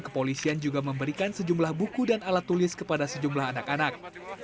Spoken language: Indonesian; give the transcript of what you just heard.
kepolisian juga memberikan sejumlah buku dan alat tulis kepada sejumlah anak anak